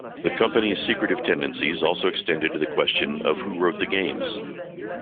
The company's secretive tendencies also extended to the question of who wrote the games.